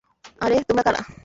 আরে তোমরা কারা?